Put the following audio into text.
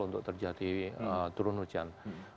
untuk terjadi turun hujan